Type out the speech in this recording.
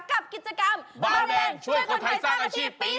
กับกิจกรรมบาเรนช่วยคนไทยสร้างอาชีพปี๒